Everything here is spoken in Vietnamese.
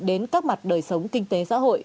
đến các mặt đời sống kinh tế xã hội